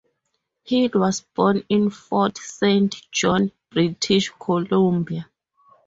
Hill was born in Fort Saint John, British Columbia.